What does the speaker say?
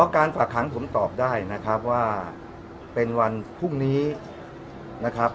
การฝากขังผมตอบได้นะครับว่าเป็นวันพรุ่งนี้นะครับ